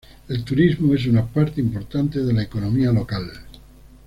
El turismo es una parte importante de la economía local.